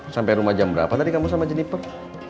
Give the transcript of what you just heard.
sampai rumah jam berapa tadi kamu sama jenniper